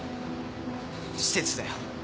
施設だよ！